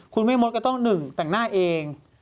คุณเมทมศก็ต้อง๑แต่งหน้าเอง